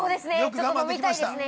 ちょっと飲みたいですね。